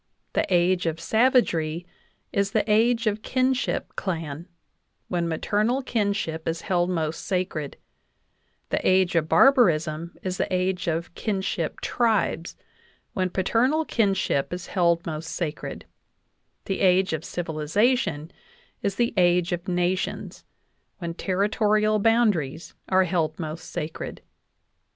The age of savagery is the age of kinship clan, when maternal kinship is held most sacred; the age of barbarism is the age of kinship tribes, when paternal kinship is held most sacred; the age of civilization is the age of nations, when ter ritorial boundaries are held most sacred.